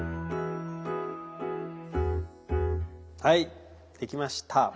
はいできました。